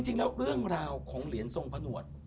จริงแล้วเรื่องราวของเหรียญทรงผนวด